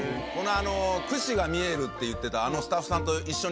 「串が見える」って言ってたあのスタッフさんと一緒にロケしたら。